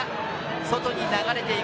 外に流れていく。